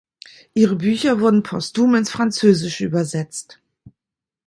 Ihre Bücher wurden postum ins Französische übersetzt.